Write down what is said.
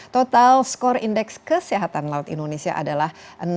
total skor indeks kesehatan laut indonesia adalah enam puluh tujuh